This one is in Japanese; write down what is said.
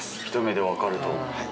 ひと目でわかると。